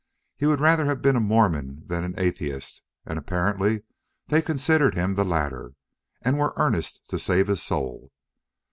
He would rather have been a Mormon than an atheist, and apparently they considered him the latter, and were earnest to save his soul.